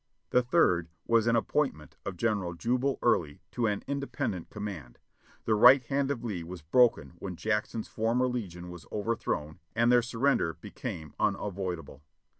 The third was the appointment of General Jubal Early to an independent command. The right hand of Lee was broken when Jackson's former legion was overthrown, and their surrender be came unavoidable.